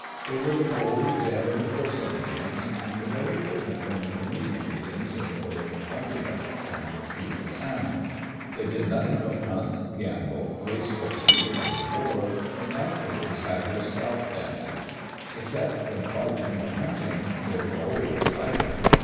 They were the bold, daring "horse Indians," and very different from the "canoe Indians" of the lower Columbia and of Puget Sound. They did noth ing but hunt, gamble, race horses, or go to war, and after wards have their scalp dances. Except when fighting or hunting, they were always idle.